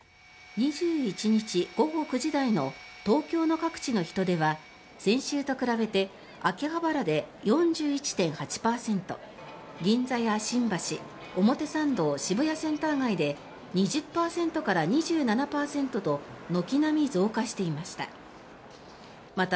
２１日午後９時台の東京の各地の人出は先週と比べて秋葉原で４１．８％銀座や新橋表参道、渋谷センター街で２０％から２７％と軒並み増加していました。